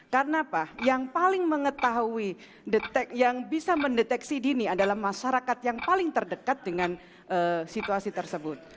karena apa yang paling mengetahui yang bisa mendeteksi dini adalah masyarakat yang paling terdekat dengan situasi tersebut